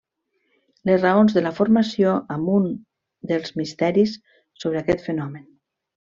Les raons de la formació amb un dels misteris sobre aquest fenomen.